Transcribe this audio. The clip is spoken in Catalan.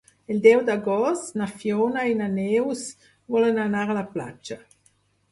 El deu d'agost na Fiona i na Neus volen anar a la platja.